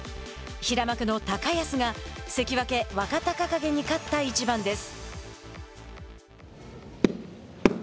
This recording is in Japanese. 平幕の高安が関脇・若隆景に勝った一番です。